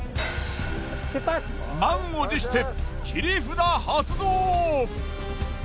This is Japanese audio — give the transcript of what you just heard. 満を持して切り札発動。